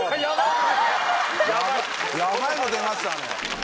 ヤバいの出ましたね。